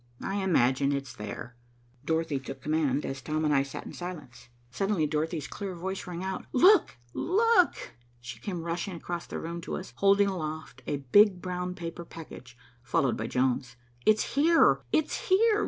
I imagine it's there." Dorothy took command, as Tom and I sat in silence. Suddenly Dorothy's clear voice rang out. "Look, look!" and she came rushing across the room to us, holding aloft a big brown paper package, followed by Jones. "It's here, it's here!